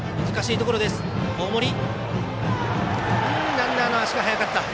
ランナーの足が速かった。